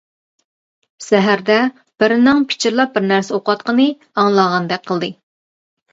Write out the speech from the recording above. سەھەردە بىرىنىڭ پىچىرلاپ بىرنەرسە ئوقۇۋاتقىنى ئاڭلانغاندەك قىلدى.